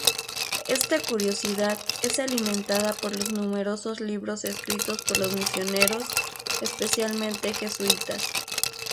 Esta curiosidad es alimentada por los numerosos libros escritos por los misioneros, especialmente, jesuitas.